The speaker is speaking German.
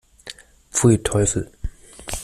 Pfui, Teufel!